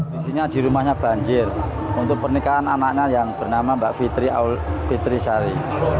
kondisinya di rumahnya banjir untuk pernikahan anaknya yang bernama mbak fitri ahlakul fitri sari